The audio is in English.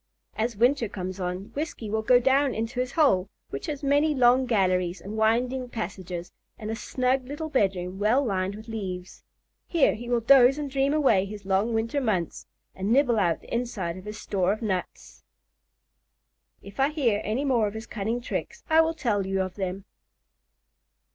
As winter comes on, Whiskey will go down into his hole, which has many long galleries and winding passages, and a snug little bedroom well lined with leaves. Here he will doze and dream away his long winter months, and nibble out the inside of his store of nuts. If I hear any more of his cunning tricks, I will tell you of them.